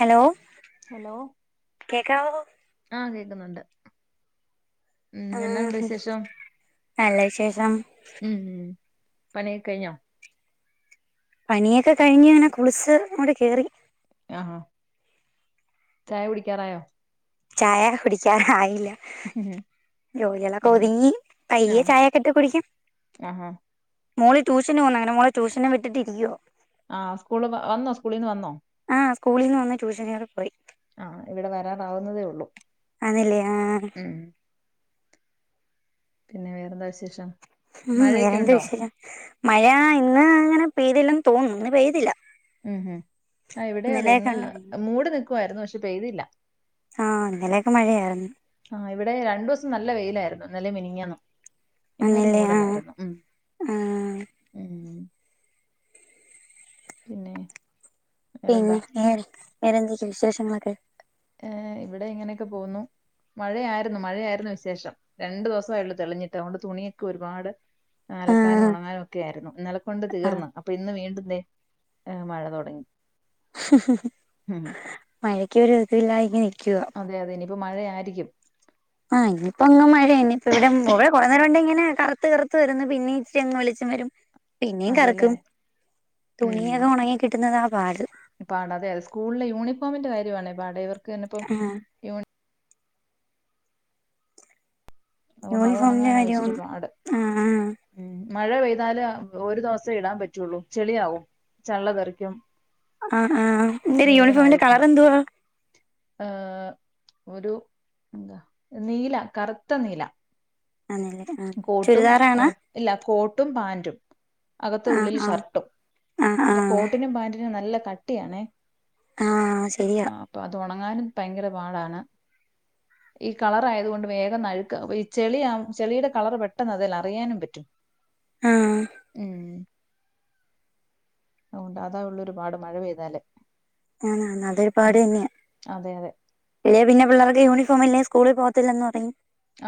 Hello hello കേക്കാവോ ആ കേക്കുന്നുണ്ട് ഉം എന്നാ ഉണ്ട് ആഹ് വിശേഷം നല്ല വിശേഷം ഉം ഉം പണി ഒക്കെ കഴിഞ്ഞോ പണിയൊക്കെ കഴിഞ്ഞ് ഇങ്ങനെ കുളിച്ച് ഇങ്ങോട്ട് കേറി ആ ചായ കുടിക്കാറായോ ചായ കുടിക്കാൻ ആയില്ല [unintelligible] ജോലികളൊക്കെ ഉം ഒതുങ്ങി പയ്യെ ആഹ് ചായൊക്കെ ഇട്ട് കുടിക്കാം ആഹാ മോള് ട്യൂഷന് പോണ് അങ്ങനെ മോളെ ട്യൂഷന് വിട്ടിട്ടിരിക്കയാ ആഹ് സ്കൂള് വന്നോ സ്കൂളീന്ന് വന്നോ സ്കൂളിൽ നിന്ന് വന്ന് ട്യൂഷന് കേറി പോയി ആ ഇവിടെ വരാറാവുന്നതേ ഒള്ളൂ ആണല്ലേ ആ പിന്നെ വേറെന്താ വിശേഷം ഉം വേറെ മഴയൊക്കെ എന്ത ഉണ്ടോ വിഷയം മഴ ഇന്ന് അങ്ങനെ പെയ്തില്ലന്ന് തോന്നുന്നു ഇന്ന് പെയ്തില്ല ഉം ഹം ആ ഇവിടെ അതെ ഇന്നലെയൊക്കെ ഇന്ന് ഉണ്ടായിരുന്നു മൂടി നിക്കുവായിരുന്ന് പക്ഷെ പെയ്തില്ല. ആഹ് ഇന്നലെയൊക്കെ മഴയായിരുന്ന്. ആ ഇവിടെ രണ്ടു ദിവസം നല്ല വെയിലായിരുന്ന് ന്നലേം മിനിഞ്ഞാന്നും. ഇന്നൊരു ആന്നല്ലേ ആഹ് മൂടലായിരുന്നു. ഉം ആഹ് ഊ പിന്നെ പിന്നെ വേറെന്താ വേറെ വേറെന്താ വിശേഷങ്ങളൊക്കെ ഏ ഇവിടെ ഇങ്ങനെയൊക്കെ പോവുന്നു മഴയായിരുന്നു മഴയായിരുന്നു വിശേഷം രണ്ടു ദിവസെ ആയുള്ളു തെളിഞ്ഞിട്ട് അതുകൊണ്ട് തുണിയൊക്കെ ഒരുപാട് അലക്കാനും ആഹ് ഉണങ്ങാനും ഒക്കെ ആയിരുന്നു ഇന്നലെക്കൊണ്ട് ആഹ് തീർന്ന് അപ്പൊ ഇന്ന് വീണ്ടും ദേ മഴ തുടങ്ങി ഉം മഴക്കൊരു ഇതില്ല അതെ അതെ ഇനിപ്പോ മഴ ആരിക്കും ആഹ് ഇനിയിപ്പോ [unintelligible] കറത്ത് കറത്ത് വരുന്ന് പിന്നേ ഇച്ചിരി അങ്ങ് വെളിച്ചം വരും പിന്നെയും അതെല്ലേ കറക്കും ഉം തുണിയൊക്കെ ഒണങ്ങി കിട്ടുന്നതാ പാട് പാട അതെ അതെ സ്കൂളിലെ യൂണിഫോമിന്റെ കാര്യമാണെ പാട് ഇവർക്കിപ്പം ആഹ് അതുകൊണ്ട് അത് യൂണിഫോമിന്റെ ഉണങ്ങാനാ കാര്യവും ഇച്ചിരി പാട് ആ ആ. ഉം മഴ പെയ്താല് അ ഒരു ദിവസേ ഇടാൻ പറ്റൂള്ളൂ ചെളിയാവും ചള്ള തെറിക്കും. ആ ആ എ യൂണിഫോമിന്റെ കളർ എന്തുവാ? ഏർ ഒരു എന്താ നീല കറുത്ത നീല. ആന്നല്ലേ ആഹ് കോട്ടും ഇ ചുരിദാറാണാ ഇല്ല. കോട്ട് ട്ടും പാന്റും. അകത്തു ആഹ് ഉള്ളില് ആഹ് ഷർട്ടും. ആഹ് അപ്പൊ ആഹ് കോട്ടിനും പാൻ്റിനു നല്ല കട്ടിയാണേ. ആഹ് ശരിയാ. അന്നാലും ഭയങ്കര പാടാണ്. ഈ കളർ ആയത് കൊണ്ട് വേഗം നഴുക്ക ഈ ചെളിയാ ചെളിയുടെ കളർ പെട്ടെന്ന് അതെല്ല അറിയാനും പറ്റും. ആഹ് ഉം അതുകൊണ്ട് അതാ ഉള്ള ഒരുപാട് മഴ പെയ്താല്. ആന്ന് ആന്ന് അതൊരുപാട് ഉം തന്നെയ. അതെ അതെ ഈടെ പിന്നെ പിള്ളേർക്ക് യൂണിഫോ മില്ലേ സ്കൂളിൽ പോവത്തില്ലെന്ന് പറയും.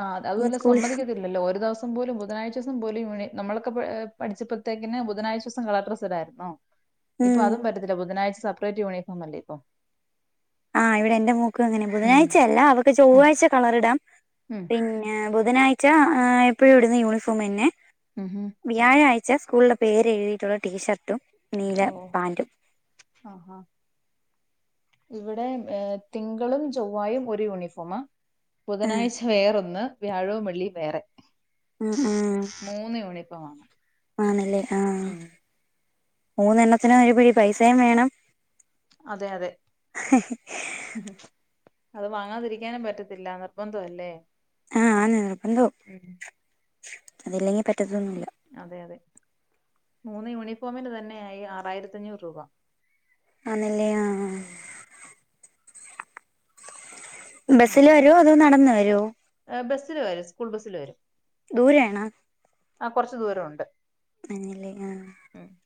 ആഹ് ഇനി അതുവല്ല സ്കൂളിൽ സമ്മതിക്കത്തില്ലോ. ഒരു ദിവസം പോലും ബുധനാഴ്ച ദിവസം പോലും യുണി നമ്മളൊക്കെ പഠിച്ചപ്പൊത്തേക്കിന്ന ബുധനാഴ്ച്ച ദിവസം കളർ ഡ്രെസ്സിടാരുന്നോ? ഇപ്പൊ ഉം അതും പറ്റത്തില്ല. ബുധനാഴ്ച സെപ്പറേറ്റ് യൂണിഫോം അല്ലേ ഇപ്പൊ. ആഹ് ഇവിടെ എന്റെ മോക്കും അങ്ങനാ ഉം ബുധനാഴ്ചയല്ല അവക്ക് ഉം ചൊവ്വാഴ്ച കളറിടാം ഉം പിന്നെ ബുധ നാഴ്ച്ച എപ്പോഴും ഇടുന്ന യൂണിഫോം എന്നെ. ഉം ഉം. വ്യാഴാഴ്ച ച്ച സ്കൂളിലെ പേര് എഴുതിയിട്ടുള്ള ടീഷർട്ടും നീല ഓ പാന്റും. ആ ആ ഇവിടെ ഏ തിങ്കളും ചൊവ്വായും ഒരു യൂണിഫോമാ. ആഹ് ബുധനാഴ്ച വേറൊന്ന് വ്യാഴോ വെള്ളിയും വേറെ. ഉം ഉ ഇപ്പമാണ്. ആണല്ലേ ആഹ്. മൂന്നെണ്ണത്തിനും ഒരു പിടി പൈസയും വേണം അതെ അതെ അത് വാങ്ങാതിരിക്കാനും പറ്റത്തില്ല. നിർബന്ധ അല്ലേ? ആഹ ആണ് നിർബന്തോ, അതില്ലെങ്കിൽ പറ്റത് അതെ അതെ. മൂന്ന് യൂണിഫോമിന് തന്നെയായി ആറായിരത്തഞ്ഞൂറ് രൂപ. ആന്നല്ലേ ആ ആ ഉം ആ ബസ്സില് വരുവോ അതോ നടന്ന് വരുവോ? ബസിൽ വരും സ്കൂൾ ബസിൽ വരും. ദൂരയാണാ? ആ കുറച്ച്‌ ദൂര ഉണ്ട്. [unintelligible]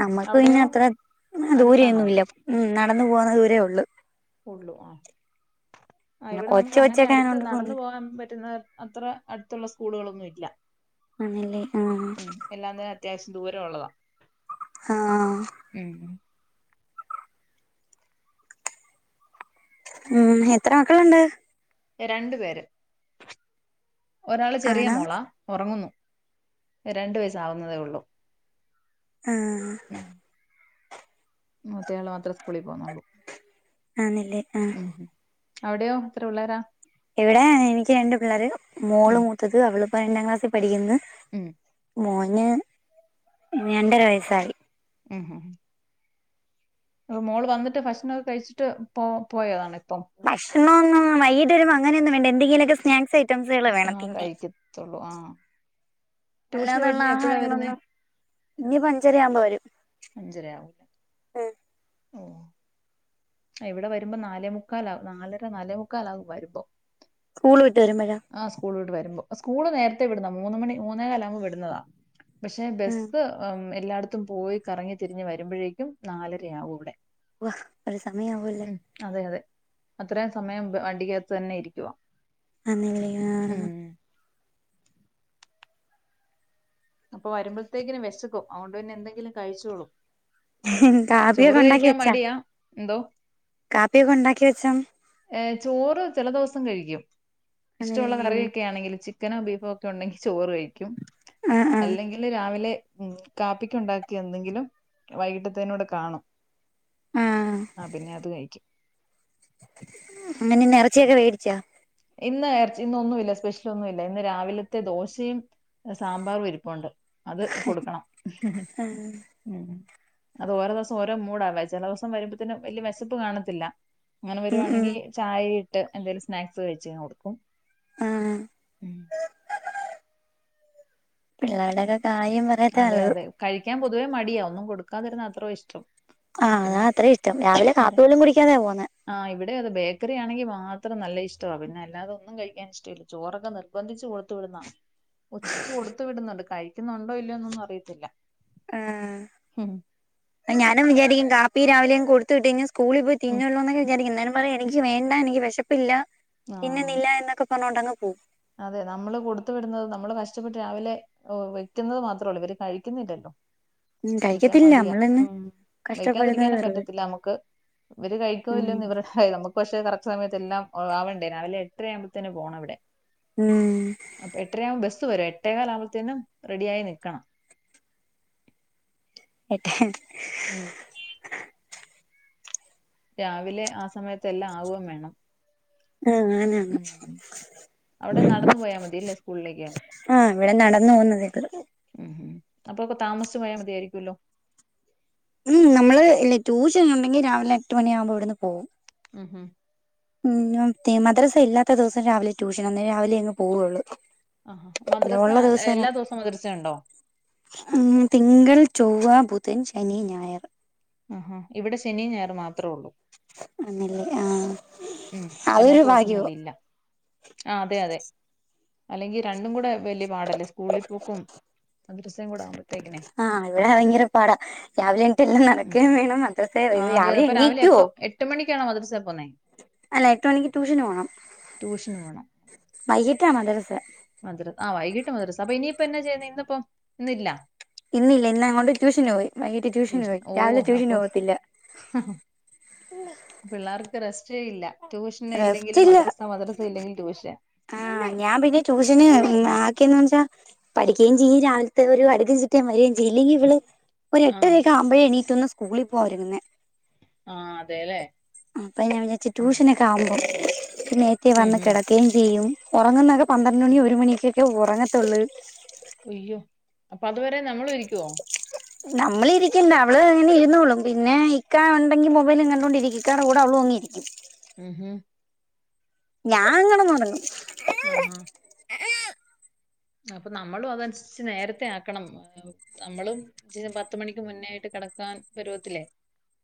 നമ്മുക്ക് പിന്നെ അവിടെയോ അത്ര അടുത്താണോ ദൂരൊന്നുല്ല ഉ നടന്ന് പോകുന്ന ദൂരേ ഉള്ളു. ഉള്ളു ആ ആ പിന്നെ ഇവിടെ കൊച്ച് നമുക്ക് അങ്ങനെ കൊച്ചൊക്കെ അടുത്ത് നടന്ന ആയോണ്ട് പോകാൻ പറ്റുന്ന അത്ര അടുത്തുള്ള സ്കൂളുകളൊന്നും ഇല്ല. ആന്നല്ല ആ. ഉം എല്ലാത്തിനും അത്യാവശ്യം ദൂരം ഉള്ളതാ. ആഹ. ഉം ഉം എത്ര മക്കള്ണ്ട്? രണ്ടു പേര്, ഒരാള് ചെറിയ ആണോ മോളാ ഉറങ്ങുന്നു. രണ്ട് വയസാവുന്നതേ ഉള്ളൂ. ആ ഉം മൂത്തയാള് മാത്രേ സ്കൂളിൽ പോവുന്നുള്ളൂ. ആന്നല്ലേ ആ. അവിടെയോ എത്ര പിള്ളേരാ? ഇവിടെ... എനിക്ക് രണ്ട് പിള്ളാര്, ഉം മോള് മൂത്തത് അവളിപ്പോ രണ്ടാം ക്ലാസ്സിൽ പഠിക്കുന്ന്. [unintelligible] മോന് രണ്ടര വയസ്സായി. ഉ ഹും. മോള് വന്നിട്ട് ഭക്ഷണൊക്കെ കഴിച്ചിട്ട് പോ പോയതാണ്. ഇപ്പം ഭക്ഷണൊന്നും വൈകീട്ട് വരും അങ്ങനൊന്നും വേണ്ട, എന്തെങ്കിലൊക്കെ സ്നാക്സായ് ഐറ്റംസുകള് വേണം ആഹ് തിന്നാൻ കഴിക്കത്തുള്ളൂ ആഹ് ട്യൂഷന് പോയിട്ട് അല്ലാതുള്ള ഇനി എപ്പഴാ വരുന്നേ ആഹാരങ്ങളൊന്നും, ഇനിപ്പൊ അഞ്ചരയാവുമ്പൊ വരും. അഞ്ചരയാവൂല ഉം ഓ ഇവിടെ വരുമ്പോ നാലേമുക്കാലാ നാലര നാലേമുക്കാലാകും വരുമ്പോ. സ്കൂള് വിട്ട് വരുമ്പഴാ? ആഹ് സ്കൂൾ വിട്ട് സ്കൂള് നേരത്തെ വിടുന്ന മൂന്ന്മണി മൂന്നേ കാലാവുമ്പോ വിടുന്നതാ, പക്ഷെ ഉം ബസ് എല്ലായിടത്തും പോയി കറങ്ങി തിരിഞ്ഞ് വരുമ്പൊഴേക്കും നാലരയാകും ഇവിടെ വ ഒരു സമയാവൊല്ലോ ഉം അതെ അതെ അത്രയും സമയം ബ വണ്ടിക്കകത്ത് തന്നെ ഇരിക്കുവ. ആന്നലെ ആ അപ്പൊ വരുമ്പഴ്ത്തേക്കിന് വെശക്കും, അതോണ്ട് പിന്നെ എന്തെങ്കിലും കഴിച്ചോളും. ചോറ് കാപ്പിയൊക്കെ ഉണ്ടാക്കി കഴിക്കാൻ വെച്ചാ മടിയാ എന്തോ കാപ്പിയൊക്കെ ഉണ്ടാക്കിവെച്ചോ? ഏ ചോറ് ചെല ദിവസം കഴിക്കും ഇഷ്ടവുള്ള ആന്നല്ലേ ഉം കറിയൊക്കേണെങ്കിൽ ചിക്കനോ ബീഫോ ഒക്കെ ഉണ്ടെങ്കി ചോറ് കഴിക്കും ആഹ് ആഹ് അല്ലെങ്കില് രാവിലെ കാപ്പിക്ക് ഉണ്ടാക്കിയെന്തെങ്കിലും വൈകിട്ടത്തേനൂടെ കാണും ആഹ് ആ പിന്നെ അത് കഴിക്കും. [unintelligible] ഇറച്ചിയൊക്കെ വേടിച്ചാ? ഇന്ന് എറച്ചി ഇന്നൊന്നുവില്ല സ്പെഷ്യൽ ഒന്നുവില്ല ഇന്ന് രാവിലത്തെ ദോശയും സാമ്പാറും ഇരിപ്പുണ്ട് അത് കൊടുക്കണം [inaudible] അത് ഓരോ ദിവസം ഓരോ മൂടാ ചെല ദിവസം വരുമ്പോത്തിന് വല്ല്യ വെശപ്പ് കാണത്തില്ല. അങ്ങനെ ഉം ഉം വരുവാണെങ്കിൽ ചായെ ഇട്ട് എന്തേലും സ്നാക്സ് [unintelligible] കൊടുക്കും. ആ ഉം. പിള്ളേർടെക്കെ അങ്ങനെ. കാര്യം അതെ പറയാത്താല്ലത് [unintelligible] പൊതുവേ മടിയാ ഒന്നും കൊടുക്കാതിരുന്ന അത്രോ ഇഷ്ടം ആഹ് അതാ പിന്നെ അത്ര ഇഷ്ടം രാവിലെ കാപ്പി അതെ പോലും കുടിക്കാതെയാ പോന്നെ ആ ഇവിടെ അതെ ബേക്കറി ആണെങ്കി മാ നല്ല ഇഷ്ടവാ പിന്നെ അല്ലാതെ ഒന്നും കഴിക്കാൻ ഇഷ്ടല്ല ചോറൊക്കെ നിർബന്ധിച്ച് കൊടുത്തു വിടുന്നതാ [unintelligible] കൊടുത്ത് വിടുന്നുണ്ട് കഴിക്കുന്നുണ്ടോ ഇല്ലയോ എന്നൊന്നും അറിയത്തില്ല ആ ഉം, ഞാനും വിചാരിക്കും കാപ്പി രാവിലെയാങ്ങ് കൊടുത്ത വിട്ടഴിഞ്ഞ സ്കൂളിൽ പോയി ഉം. തിന്നുള്ളൂ ന്നൊക്കെ വിചാരിക്കും ന്നാലും പറയും, എനിക്ക് വേണ്ട, എനിക്ക് വെശപ്പില്ല, ആ തിന്നുന്നില്ല എന്നൊക്കെ പറഞ്ഞോണ്ടങ്ങ്പോകു അതെ നമ്മള് കൊടുത്ത വിടുന്നത്, നമ്മള് കഷ്ടപ്പെട്ട് രാവിലെ ഏ വെക്കുന്നത് മാത്രൊള്ളൂ ഇവര് കഴിക്കുന്നില്ലല്ലോ. ഉം വെക്കാൻ കഴിക്കത്തില്ല മടിയാ. നമ്മളിന്ന് ഉം കഷ്ടപ്പെടുന്നത് വെക്കാതിരിക്കാനും വെറുതെ പറ്റത്തില്ല നമുക്ക് ഇവര് കഴിക്കോ ഉം ഇല്ലേന്ന് ഇവർക്കറിയാ നമുക്ക് പക്ഷെ കറക്റ്റ് സമയത്ത് ത്തെല്ലാം ആവണ്ടേ? രാവിലെ എട്ടരയാമ്പത്തിന് പോണവിടെ. ഉം അപ്പോ എട്ടരയാവും ബസ് ത്തുവരെ. എട്ടേകാലാവുമ്പഴത്തേനും റെഡി ആയി നിക്കണം. [unintelligible] ഉം രാവിലെ ആ സമയത്ത് എല്ലാം ആവു വേണം. ആ ഞാനാണ്. ഉം. അവിടെ നടന്നു പോയാ മതില്ലേ? സ്കൂളിലേക്ക്. ആഹ് ഇവിടെ നടന്നു പോകുന്നതേ ഉള്ളൂ ഉം അപ്പപ്പൊ താമസിച്ചു പോയാൽ മതിയയിരിക്കുമല്ലോ. ഉം നമ്മള് ഇല്ലെ ട്യൂഷൻ ഉണ്ടെങ്കിൽ രാവിലെ എട്ട് മണിയാവുമ്പോ ഇവിടുന്ന് പോവും. ഉം ഹ് മ് മദ്രാസ ഇല്ലാത്ത ദിവസം രാവിലെ ട്യൂഷൻ അന്നേ രാവിലെ അങ്ങ് പോകും അവള്. ആ മദ്രസ. എല്ലാ ദിവസവും മദ്രസുണ്ടോ? ഉം തിങ്കൾ, ചൊവ്വ, ബുധൻ, ശനി, ഞായർ. ആഹ ഇവിടെ ശനിയും, ഞായറ് മാത്രേള്ളൂ. ആണേല് ആഹ ഉം അല്ലാത്ത ദിവസങ്ങളിലില്ല ആ അതെ അതെ അല്ലെങ്കിൽ രണ്ടും കൂടെ വലിയ പാടല്ലേ സ്കൂളിൽ പോക്കും മദ്രസ്യം കൂട ആകുമ്പഴത്തേക്കിനെ ആ ഇവിടെ ഭയങ്കര പാടാ രാവിലെ എണിട്ട് എല്ലാം ഉം. നടക്കയും വേണം. മദ്രസ രാവിലെ എണീക്കുവോ? ക്കണോ മതിരിസ പോന്ന് അല്ല എട്ടു മണിക്ക് ട്യൂഷന് പോണം. ട്യൂഷന് പോണം വൈകിട്ടാ മദ്രസ. ആ വൈകിട്ട് മദ്രസ അപ്പൊ ഇനിയിപ്പ എന്നാ ചെയ്യുന്നേ. ഇന്ന് ഇപ്പം ഇന്നില്ല. ഇന്നില്ല. ഇന്ന് അങ്ങോട്ട് ട്യൂഷന് പോയി, വൈകീട്ട് ട്യൂഷന് പോയി, രാവിലെ ട്യൂഷന് പോകത്തില്ല. ഹും പിള്ളാർക്കും റസ്റ്റ്. ല്ല ട്യൂഷൻ ഇല്ലെങ്കിൽ മദ്രസ. മദ്രസ ഇല്ലെങ്കിൽ ട്യൂഷൻ. ആ ഞാൻ പിന്നെ ട്യൂഷന് ഉം. ആക്കിയെന്ന് വെച്ചാ പഠിക്കുകയും ചെയ്യും. രാവിലത്തെ ഒരു അടുക്കും ചിട്ടയും വരുകയും ചെയ്യും. ഇല്ലെങ്കിൽ ഇവള് ഒരു ആ എട്ടരൊക്ക ആകുമ്പോഴേ എണീക്കുന്ന സ്വാ കൂളി പോ ഒരുങ്ങുന്നെ ആ അതെല്ലേ അപ്പൊ ഞാൻ വിചാരിച്ചു ഉം ട്യൂഷനക്കെ ആവുമ്പോ നേത്തെ ഉം വന്ന് ഉം ഉം. കിടക്കുകയും ചെയ്യും. ഉറങ്ങുന്നതൊക്കെ പന്ത്രണ്ട് ആ, മണി ഒരു മണിക്കൊക്കെ ഉറങ്ങത്തുള്ളൂ. അയ്യോ അപ്പൊ അതുവരെ നമ്മള് ഇരിക്കുവോ. നമ്മള് ഇരിക്കണ്ട അവള് ഇങ്ങനെ ഇരുന്നോള്ളും. പിന്നെ ഇക്കാ ഉണ്ടെങ്കിൽ മൊബൈൽ കണ്ടോണ്ട് ഇരിക്കും ഇക്കാടെ കൂടെ അവളു ങ്ങ് യിരിക്കും. ഉം ഹും ഞാം കിടന്നുറങ്ങും. ആ ഹ ഹ അപ്പൊ നമ്മളും അതനുസരിച്ച് നേരത്തെ ആക്കണം. നമ്മളും ഇചി പത്ത് മണിക്ക് മുന്നേയിട്ട് ടക്കാൻ പരുവത്തില്ലേ.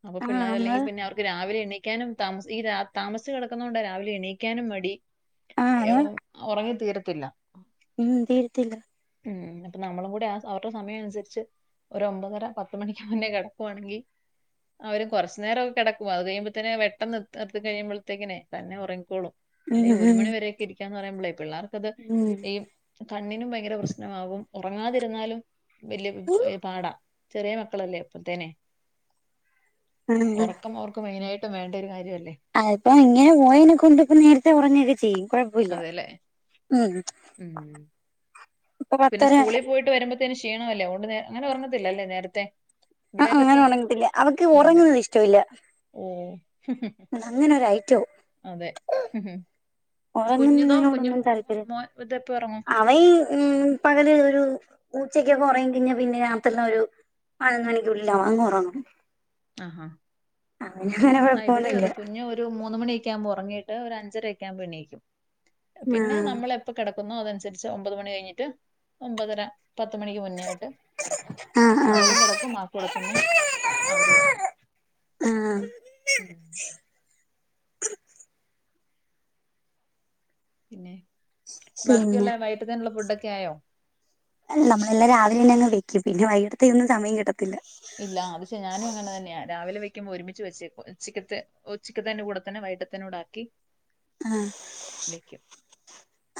അപ്പൊ ആഹ് പിള്ളാര് നമ്മള് അല്ലെങ്കിൽ പിന്നെ അവർക്ക് രാവിലെ എണിക്കാ ക്കാനും തമ മ ഈ താമസി കിടക്കുന്ന കൊണ്ട് രാവിലെ എണീക്കാനും മടി. ആഹ് ഉറങ്ങി തീരത്തില്ല. നിന്തിർത്തില്ല. ഉം അപ്പൊ നമ്മളും കൂടെ അവരുടെ സമയം അനുസരിച്ച് ഒരു ഒമ്പതര പത്ത് മണിക്ക് മുന്നേ കിടക്കുവാണെങ്കിൽ. അവരും കുറച്ചു നേരംക്കെ കിടക്കും. അത് കഴിയുമ്പോഴത്തേെന് വെട്ടം നിർ നിർത്തി കഴിയുമ്പോഴത്തേക്കനെ തന്നെ ഉറങ്ങിക്കോളും. അല്ലെ ഈ ഒരു ഉം മണി വരെയൊക്കെ ഇരിക്കാന്ന് പറയുമ്പോളേ പിള്ളേർക്കത് ഉം ഈ കണ്ണിനും ഭയങ്കര പ്രശ്നമാവും. ഉറങ്ങാതിരുന്നാലും വലിയ ഉം പാടാ. ചെറിയ മക്കളല്ലേ? അപ്പത്തേനെ ആഹ് ഉറക്കം അവർക്കും മെയിനായി ഇട്ട വേണ്ട ഒരു കാര്യല്ല അതിപ്പോ ഇങ്ങനെ പോയതിനെ കൊണ്ട്പ്പോ നേരത്തെ ഉറങ്ങൊക്കെ ചെയ്യും കുഴപ്പോല്ല അതെ അല്ലേ ഉം ഉം ഇപ്പൊ പിന്നെ പത്തര സ്കൂളിൽ പോയിട്ട് വരുമ്പോത്തേന് ക്ഷീണമല്ലേ അതോണ്ട് അങ്ങനെ ഒറഞ്ഞത്തില്ല അല്ലേ നേരത്തെ ആഹ ഇവിടെയൊക്കെ സു അങ്ങനെ ഉറങ്ങതില്ല അവക്ക് ഇല്ല ഉറങ്ങുന്നത് ഇഷ്ടമല്ല ഓ അതങ്ങനൊരൈറ്റവും അതെ കുഞ്ഞിതോ കുഞ്ഞു ഉറങ്ങുന്നതിനോടൊന്നും താല്പര്യം മോൻ ഇതെപ്പോ ഉറങ്ങും അവയി ഉ പകല് ഒരു ഉച്ചക്ക് ഒക്കെ ഒറങ്ങി കഴിഞ്ഞ പിന്നെ രാത്രില് ഒരു പതിനൊന്നു ണിക്കുള്ളില അങ്ങ് ഒറങ്ങും ആ ഹാ ഇവിടെയും കുഴപ്പമൊന്നുമില്ല അതെ കുഞ്ഞ് ഒരു മൂന്ന് മണി ഒക്കെ ആകുമ്പോ ഉറങ്ങീട്ടു ഒരഞ്ചര ഒക്കെ ആകുമ്പോ എണീക്കും പിന്നെ ആ നമ്മളെപ്പോ കിട ക്കുന്നോ അതനുസരിച്ച് ഒമ്പത് മണി കഴിഞ്ഞിട്ട് ഒമ്പതര പത്ത് മണിക്ക് മുന്നേ ആയിട്ട് ആ ആ നമ്മളും കിടക്കും ആ കൂടെ തന്നെ അവരും ഒറങ്ങും ആ ഉം പിന്നെ പിന്നെ ബാക്കിയുള്ള വൈകിട്ടത്തിനുള്ള ഫുഡൊക്കെ ആയോ നമ്മളെല്ല രാവില തന്നെ അങ് വെക്കും പിന്നെ വൈകിട്ടേതേന് ഒന്നും സമയം കിട്ട ഇല്ല അത് ശ ഞാനും അങ്ങനെ തന്നെയാ രാവിലെ വ [unintelligible] ഒരുമിച്ച് വെച്ചേക്കും ഉച്ചക്കത്തെ ഉച്ചക്കത്തിന്റെ കൂടെ തന്നെ വൈകിട്ടതെനുകൂടെ ആക്കി ആഹ വെക്കും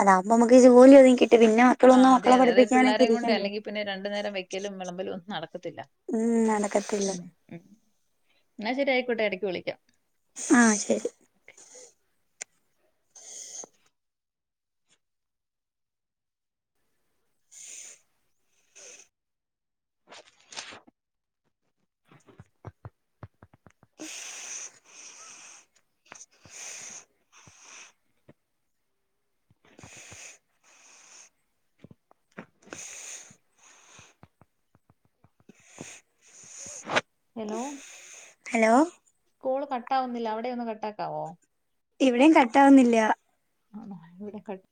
അതാമ്പം മക്ക് ജോലി ഒതുങ്ങി [inaudible] ആ് അതെയതെ അതേ പിള്ളാരേം കൊണ്ട് അല്ലെങ്കിൽ പിന്നെ രണ്ടു നേരം വെക്കലും വിളമ്പലുംഒന്നും നടക്കു [unintelligible] ഉം നടക്കത്തില്ല ന്നാ ശരി ആയിക്കോട്ടെ എടക്ക് വിളിക്യാം ആഹ് ശരി [inaudible] ഹലോ ഹലോ കോൾ കട്ടാവുന്നില്ല അവിടെ ഒന്ന് കട്ടാക്കാവോ ഇവിടെയും കട്ടാവുന്നില്ല ആണോ [unintelligible]